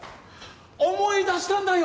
思い出したんだよ！